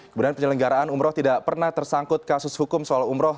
kemudian penyelenggaraan umroh tidak pernah tersangkut kasus hukum soal umroh